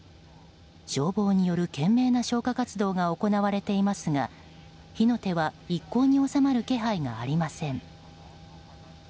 消防による懸命な消火活動が行われていますが火の手は一向に収まる気配がありません。